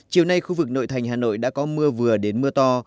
chiều nay khu vực nội thành hà nội đã có mưa vừa đến mưa to